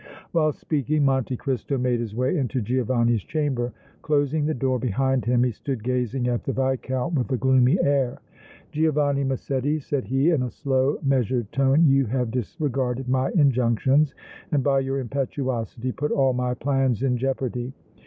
While speaking Monte Cristo made his way into Giovanni's chamber. Closing the door behind him, he stood gazing at the Viscount with a gloomy air. "Giovanni Massetti," said he, in a slow, measured tone, "you have disregarded my injunctions and by your impetuosity put all my plans in jeopardy!